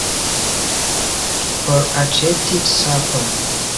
Por aĉeti sapon.